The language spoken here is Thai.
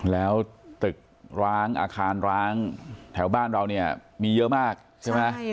แล้วตึกร้างอาคารร้างแถวบ้านเราเนี่ยมีเยอะมากใช่ไหม